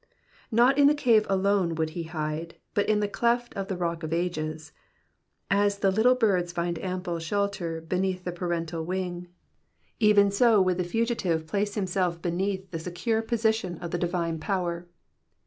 '^'' Not in the cave alone would he hide, but in the cleft of the Rock of ages. As the little birds find ample shelter beneath the parental wing, even so would the fugitive place himself beneath the secure protection of the divine power.